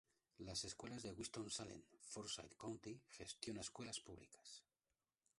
Las Escuelas de Winston-Salem Forsyth County gestiona escuelas públicas.